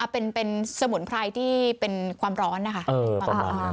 เป็นสมุนไพรที่เป็นความร้อนนะคะ